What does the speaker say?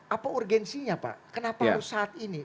apa urgensinya pak kenapa harus saat ini